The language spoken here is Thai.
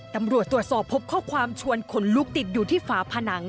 ตำรวจตรวจสอบพบข้อความชวนขนลุกติดอยู่ที่ฝาผนัง